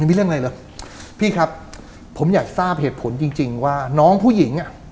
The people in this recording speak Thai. ไม่มีเรื่องอะไรเลยพี่ครับผมอยากทราบเหตุผลจริงจริงว่าน้องผู้หญิงอ่ะ